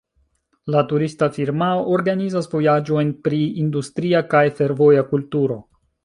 La turista firmao organizas vojaĝojn pri industria kaj fervoja kulturo.